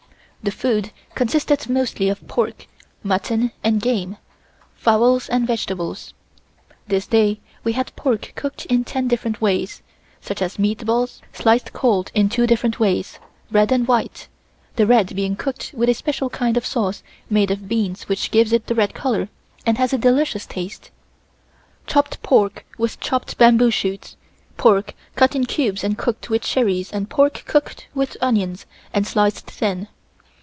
The food consisted mostly of pork, mutton and game, fowls and vegetables. This day we had pork cooked in ten different ways, such as meat balls, sliced cold in two different ways, red and white, the red being cooked with a special kind of sauce made of beans which gives it the red color and has a delicious taste. Chopped pork with chopped bamboo shoots, pork cut in cubes and cooked with cherries and pork cooked with onions and sliced thin.